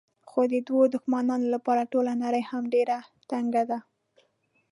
خو د دوو دښمنانو لپاره ټوله نړۍ هم ډېره تنګه ده.